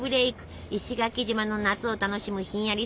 石垣島の夏を楽しむひんやり